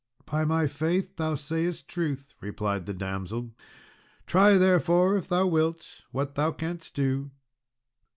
"By my faith, thou sayest truth," replied the damsel; "try therefore, if thou wilt, what thou canst do."